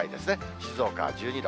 静岡は１２度。